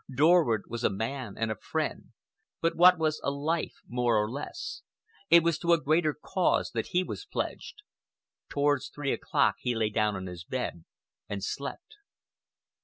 Dorward was a man and a friend, but what was a life more or less? It was to a greater cause that he was pledged. Towards three o'clock he lay down on his bed and slept....